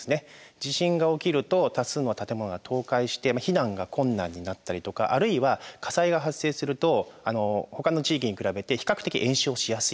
地震が起きると多数の建物が倒壊して避難が困難になったりとかあるいは火災が発生するとほかの地域に比べて比較的延焼しやすい。